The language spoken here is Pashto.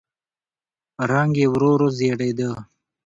رنګ يې ورو ورو زېړېده.